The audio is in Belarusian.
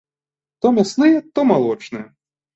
То мясныя, то малочныя.